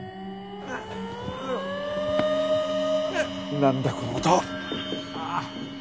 何だこの音は！